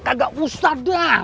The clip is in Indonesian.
kagak usah dah